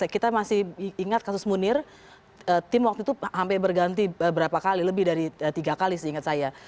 kita masih ingat kasus munir tim waktu itu sampai berganti berapa kali lebih dari tiga kali seingat saya